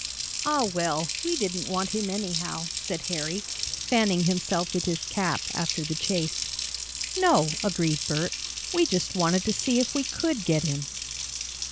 "Ah, well, we didn't want him anyhow," said Harry, fanning himself with his cap, after the chase. "No," agreed Bert, "we just wanted to see if we could get him."